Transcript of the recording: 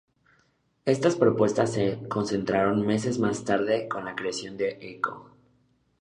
Estas propuestas se concretaron meses más tarde con la creación de Equo.